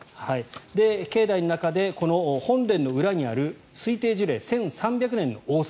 で、境内の中でこの本殿の裏にある推定樹齢１３００年の大杉。